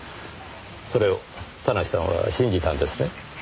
それを田無さんは信じたんですね？